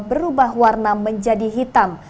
berubah warna menjadi hitam